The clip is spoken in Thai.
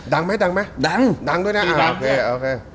ดังไหมดังด้วยนะโอเค